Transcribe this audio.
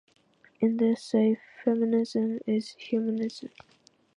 In the essay Feminism is Humanism.